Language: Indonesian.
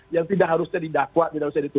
yang tidak harusnya didakwa tidak harusnya dituntut